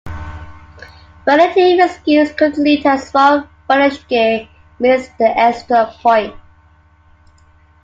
But the team's miscues continued as Rolf Benirschke missed the extra point.